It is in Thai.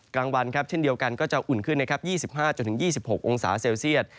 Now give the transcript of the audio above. กลางวันเช่นเดียวกันก็จะอุ่นขึ้น๒๕๒๖องศาเซลเซียด